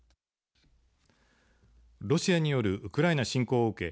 ロシアによるウクライナ侵攻を受け